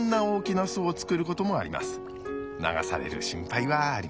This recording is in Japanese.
流される心配はありません。